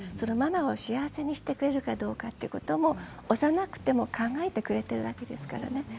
ママを幸せにしてくれるかどうかということも考えてくれてるわけですからね。